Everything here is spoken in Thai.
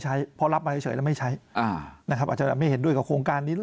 อาจจะไม่เห็นด้วยกับโครงการนี้